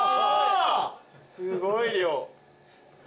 すごい量。